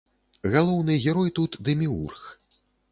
Галоўны герой тут дэміург.